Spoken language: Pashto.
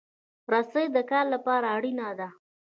رسۍ د کار لپاره اړینه ده.